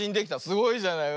すごいじゃない。